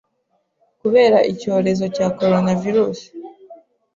kubera icyorezo cya coronavirus